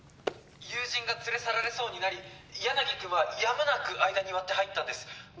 「友人が連れ去られそうになり柳くんはやむなく間に割って入ったんです」